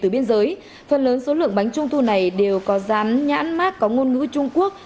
từ biên giới phần lớn số lượng bánh trung thu này đều có rán nhãn mát có ngôn ngữ trung quốc